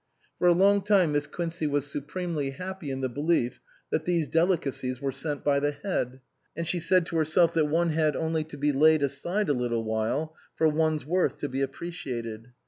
For a long time Miss Quincey was supremely happy in the belief that these delicacies were sent by the Head ; and she said to herself that one had only to be laid aside a little while for one's worth to be appreciated.